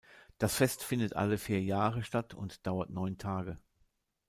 Das Fest findet alle vier Jahre statt und dauert neun Tage.